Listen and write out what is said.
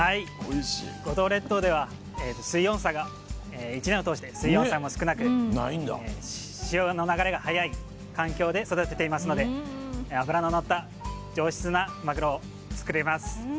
五島列島では水温差が１年通して少なく潮の流れが速い環境で育てていますので脂の乗った上質なマグロを作れます。